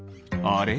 あれ？